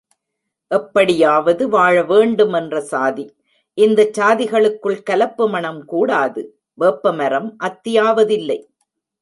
எப்படியாவது வாழ வேண்டும் என்ற சாதி, இந்தச் சாதிகளுக்குள் கலப்பு மணம் கூடாது. வேப்பமரம் அத்தி ஆவதில்லை.